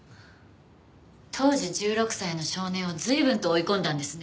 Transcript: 当時１６歳の少年を随分と追い込んだんですね。